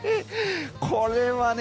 これはね